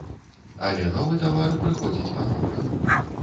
Але новы тавар прыходзіць па новых.